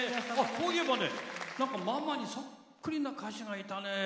そういえばママにそっくりの歌手がいたね。